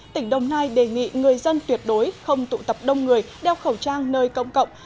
tỉnh đồng nai đề nghị người dân tuyệt đối không tụ tập đông người đeo khẩu trang nơi công cộng